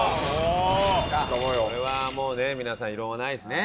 これはもうね皆さん異論はないですね。